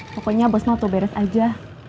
pokoknya bos mau tuh beres aja